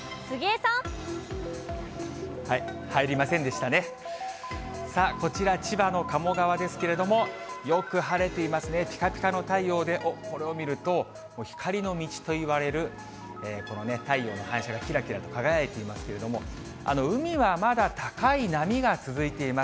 さあ、こちら千葉の鴨川ですけれども、よく晴れていますね、ぴかぴかの太陽で、おっ、これを見ると、光の道といわれる、このね、太陽の反射がきらきらと輝いていますけれども、海はまだ高い波が続いています。